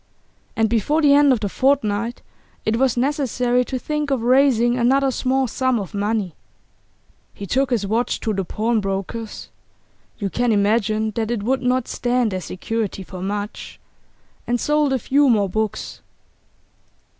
And before the end of the fortnight it was necessary to think of raising another small sum of money; he took his watch to the pawnbroker's (you can imagine that it would not stand as security for much), and sold a few more books.